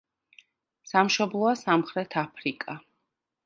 სამშობლოა სამხრეთ აფრიკა.